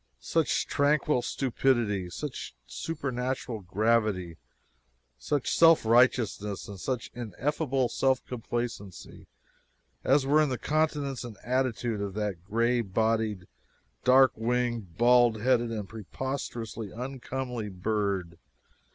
Such tranquil stupidity, such supernatural gravity, such self righteousness, and such ineffable self complacency as were in the countenance and attitude of that gray bodied, dark winged, bald headed, and preposterously uncomely bird!